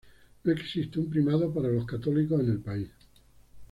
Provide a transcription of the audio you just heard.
No existe un primado para los católicos en el país.